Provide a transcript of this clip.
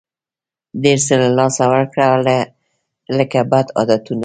ډېر څه له لاسه ورکړه لکه بد عادتونه.